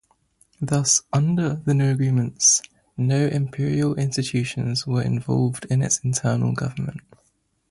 Thus, under the new arrangements, no imperial institutions were involved in its internal government.